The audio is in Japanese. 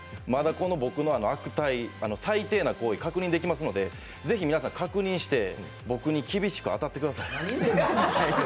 この僕の悪態、最低な行為、確認できますので、ぜひ皆さん確認して僕に厳しく当たってください。